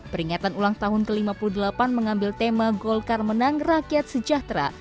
peringatan ulang tahun ke lima puluh delapan mengambil tema golkar menang rakyat sejahtera